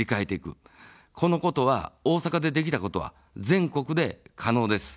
このことは、大阪でできたことは全国で可能です。